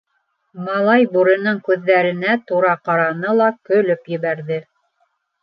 Малай бүренең күҙҙәренә тура ҡараны ла көлөп ебәрҙе.